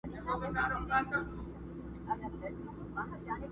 o چي په ښار کي پاته پیر او تعویذګروي.